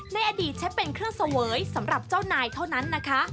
ในอดีตใช้เป็นเครื่องเสวยสำหรับเจ้านายเท่านั้นนะคะ